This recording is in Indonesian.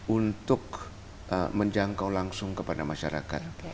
untuk menjangkau langsung kepada masyarakat